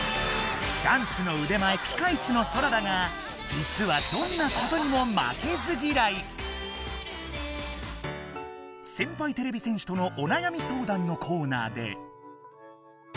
ダンスのうで前ピカイチのソラだがじつはセンパイてれび戦士とのおなやみ相談のコーナーで。